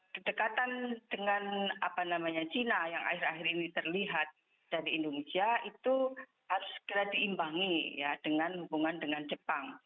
kedekatan dengan china yang akhir akhir ini terlihat dari indonesia itu harus segera diimbangi dengan hubungan dengan jepang